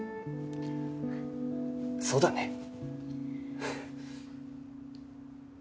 そうだね。